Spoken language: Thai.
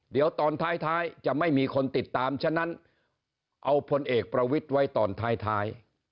เดี๋ยวตอนท้ายจะไม่มีคนติดตามฉะนั้นเอาพลเอกประวิทย์ไว้ตอนท้าย